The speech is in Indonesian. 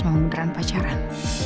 mau munduran pacaran